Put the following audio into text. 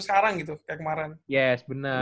sekarang gitu kayak kemarin yes benar